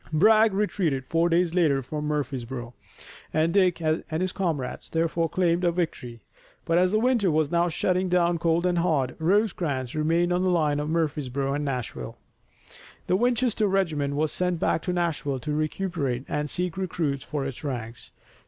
Bragg retreated four days later from Murfreesborough, and Dick and his comrades therefore claimed a victory, but as the winter was now shutting down cold and hard, Rosecrans remained on the line of Murfreesborough and Nashville. The Winchester regiment was sent back to Nashville to recuperate and seek recruits for its ranks.